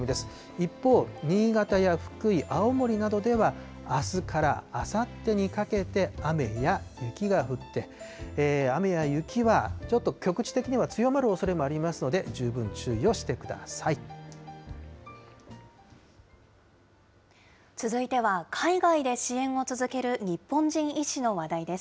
一方、新潟や福井、青森などでは、あすからあさってにかけて、雨や雪が降って、雨や雪はちょっと局地的には強まるおそれもありますので、十続いては、海外で支援を続ける日本人医師の話題です。